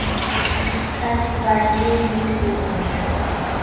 ஸஅத் வழங்கிய தீர்ப்பு ஒன்று.